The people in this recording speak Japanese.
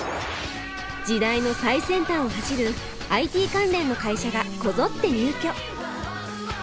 時代の最先端を走るＩＴ関連の会社がこぞって入居。